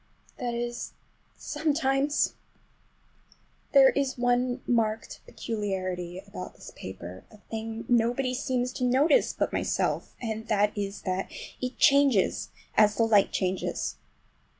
That is, sometimes! There is one marked peculiarity about this paper, a thing nobody seems to notice but myself, and that is that it changes as the light changes.